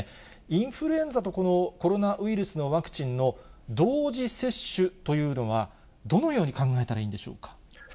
インフルエンザとこのコロナウイルスのワクチンの同時接種というのは、どのように考えたらいいんでしょうか。